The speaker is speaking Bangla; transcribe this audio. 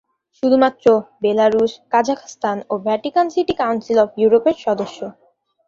শুধুমাত্র বেলারুশ, কাজাখস্তান ও ভ্যাটিকান সিটি কাউন্সিল অব ইউরোপের সদস্য।